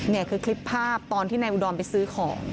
นี่คือคลิปภาพตอนที่นายอุดรไปซื้อของ